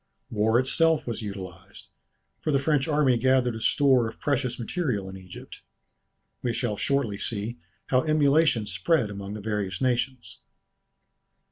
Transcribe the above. War itself was utilized, for the French army gathered a store of precious material in Egypt. We shall shortly see how emulation spread among the various nations.